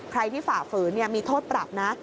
ใครที่ฝ่าฝือนี่มีโทษปรับนะ